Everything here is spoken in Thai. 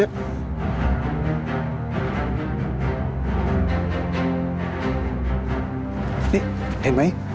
นี่เห็นไหม